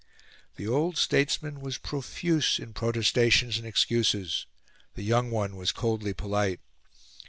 The old statesman was profuse in protestations and excuses; the young one was coldly polite.